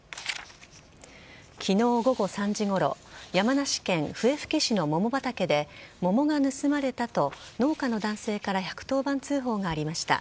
昨日午後３時ごろ山梨県笛吹市の桃畑で桃が盗まれたと農家の男性から１１０番通報がありました。